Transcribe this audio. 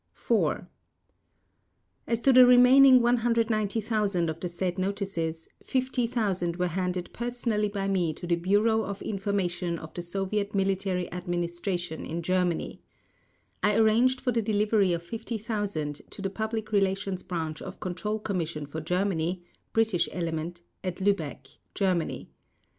4. As to the remaining 190,000 of the said notices, 50,000 were handed personally by me to the Bureau of Information of the Soviet Military Administration in Germany. I arranged for the delivery of 50,000 to the Public Relations Branch of Control Commission for Germany (British Element) at Lübeck, Germany.